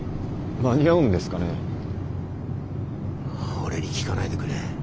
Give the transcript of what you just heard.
俺に聞かないでくれ。